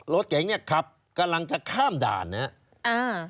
รถเก่งนี่ขับกำลังจะข้ามด่านนี่